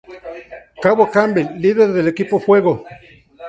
Cabo Campbell: líder del equipo de Fuego.